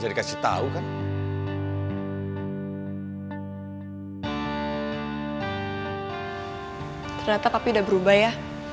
ternyata tapi udah berubah ya